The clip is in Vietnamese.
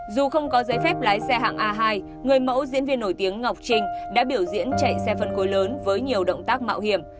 dù không có giấy phép lái xe hạng a hai người mẫu diễn viên nổi tiếng ngọc trinh đã biểu diễn chạy xe phân khối lớn với nhiều động tác mạo hiểm